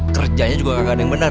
kerjanya juga gak ada yang benar